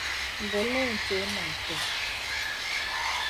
Bɔ n-lee n tooi n-niŋ ti?